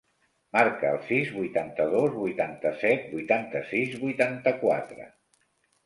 Marca el sis, vuitanta-dos, vuitanta-set, vuitanta-sis, vuitanta-quatre.